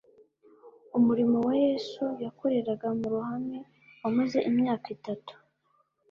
Umurimo wa Yesu yakoreraga mu ruhame wamaze imyaka itatu.